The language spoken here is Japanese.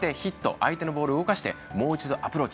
相手のボールを動かしてもう一度アプローチ。